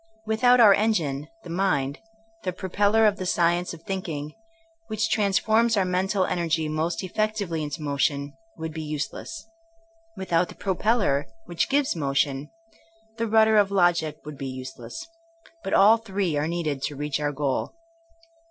Without our engine, the mind, the propeller of the science of thinking, which transforms our mental energy most effectively into motion, would be useless. Without the propeller, which gives motion, the rudder of logic would be useless. But all three are needed to reach our goal.